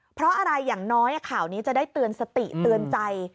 เพราะอะไรอย่างน้อยข่าวนี้จะได้เตือนสติเตือนใจ